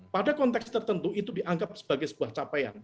pada konteks tertentu itu dianggap sebagai sebuah capaian